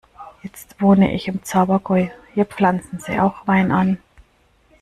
Jetzt wohne ich im Zabergäu, hier pflanzen sie auch Wein an.